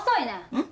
うん？